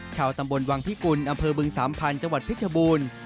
ชาวตำบลวังพิกุลอำเภอบึงสามพันธุ์จังหวัดเพชรบูรณ์